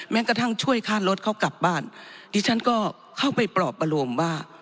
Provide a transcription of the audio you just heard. กระทั่งช่วยค่ารถเขากลับบ้านดิฉันก็เข้าไปปลอบประรวมว่า